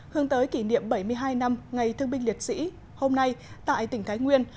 hướng tới kỷ niệm bảy mươi hai năm ngày thương binh liệt sĩ hôm nay tại tỉnh thái nguyên